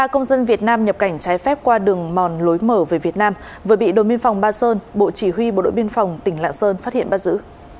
ba công dân việt nam nhập cảnh trái phép qua đường mòn lối mở về việt nam vừa bị đồn biên phòng ba sơn bộ chỉ huy bộ đội biên phòng tỉnh lạng sơn phát hiện bắt giữ